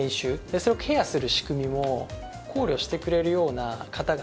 それをケアする仕組みも考慮してくれるような方々